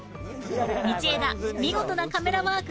道枝見事なカメラワークで